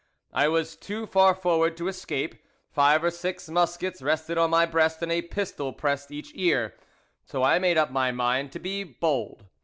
"I was too far forward to escape: five or six muskets rested on my breast and a pistol pressed each ear; so I made up my mind to be bold.